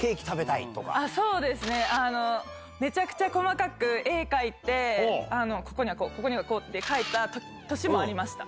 そうですね、めちゃくちゃ細かく絵描いて、ここにはこう、ここにはこうって書いた年もありました。